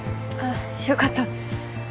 よかった。